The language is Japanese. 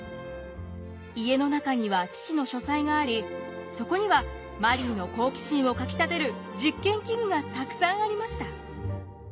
家の中には父の書斎がありそこにはマリーの好奇心をかきたてる実験器具がたくさんありました。